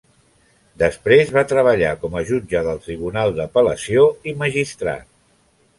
Després, va treballar com a jutge del tribunal d'apel·lació i magistrat.